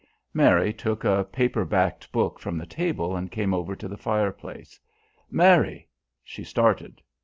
Mary took a paper backed book from the table and came over to the fireplace. "Mary!" She started.